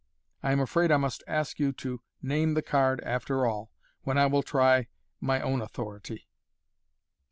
I am afraid I must ask you to name the card, after all, when I will try my own authority.